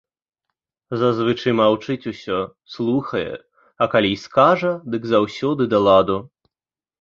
Зазвычай маўчыць усё, слухае, а калі й скажа, дык заўсёды да ладу.